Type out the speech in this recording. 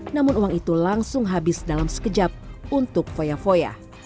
namun uang itu langsung habis dalam sekejap untuk foya foya